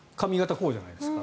こうじゃないですか。